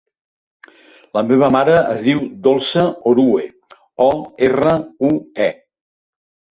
La meva mare es diu Dolça Orue: o, erra, u, e.